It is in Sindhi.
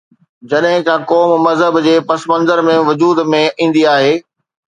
جڏهن ڪا قوم مذهب جي پس منظر ۾ وجود ۾ ايندي آهي.